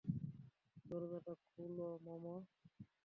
দরজাটা খুলো, মামা!